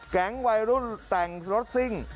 แก๊งไวรูสแต่งรถซิ่ง